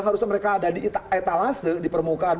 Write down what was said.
harusnya mereka ada di etalase di permukaan